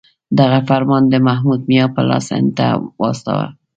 دغه فرمان د محمود میا په لاس هند ته واستاوه.